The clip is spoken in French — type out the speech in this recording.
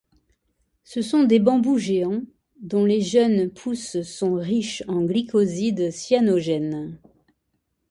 Ce sont des bambous géants, dont les jeunes pousses sont riches en glycosides cyanogènes.